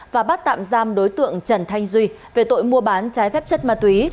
và bắt tạm giam đối tượng trần thanh duy về tội mua bán trái phép chất ma túy